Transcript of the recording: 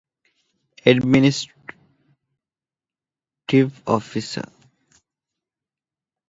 އެޑްމިނިސްޓްރޓިވް އޮފިސަރ